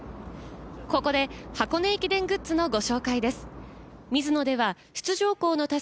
ここで箱根駅伝グッズのご紹介です。